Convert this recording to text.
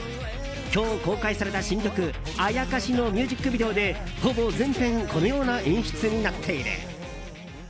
今日、公開された新曲「妖」のミュージックビデオでほぼ全編このような演出になっている。